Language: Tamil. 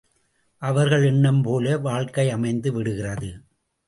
அவர்கள் எண்ணம்போல வாழ்க்கை அமைந்து விடுகிறது.